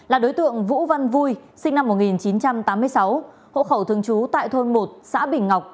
là đối tượng vũ văn vui sinh năm một nghìn chín trăm tám mươi sáu hộ khẩu thường trú tại thôn một xã bình ngọc